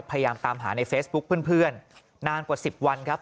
พยายามตามหาในเฟซบุ๊คเพื่อนนานกว่า๑๐วันครับ